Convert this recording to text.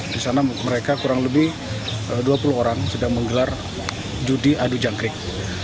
di sana mereka kurang lebih dua puluh orang sedang menggelar judi adu jangkrik